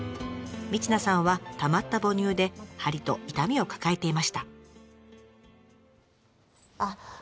ミチナさんはたまった母乳で張りと痛みを抱えていました。